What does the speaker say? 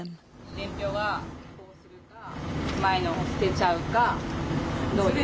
伝票はこうするか、前のを捨てちゃうか、どうです？